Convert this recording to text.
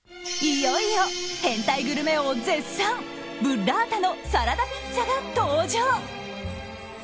いよいよ、変態グルメ王絶賛ブッラータのサラダピッツァが登場。